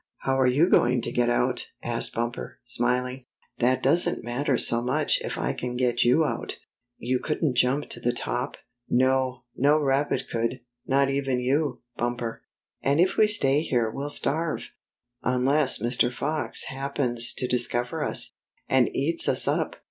" "How are you going to get out?" asked Bumper, smiling. "That doesn't matter so much if I can get you out." " You couldn't jump to the top? "" No, no rabbit could — ^not even you, Bumper." "And if we stay here we'll starve?" " Unless Mr. Fox happens to discover us, and eats us up.